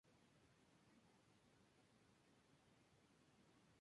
Atraviesa el departamento de Paysandú de oeste a este.